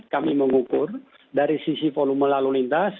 kami mengukur dari sisi volume lalu lintas